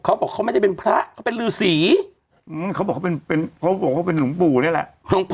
เขาบอกเขาไม่ได้เป็นพระเขาเป็นรือสีเขาบอกเขาเป็นเป็นเขาบอกว่าเป็นหลวงปู่นี่แหละ